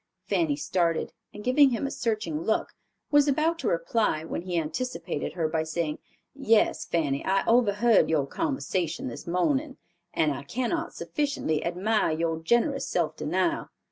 Fanny started; and giving him a searching look, was about to reply, when he anticipated her by saying, "Yes, Fanny, I overheard your conversation this morning, and I cannot sufficiently admire your generous self denial.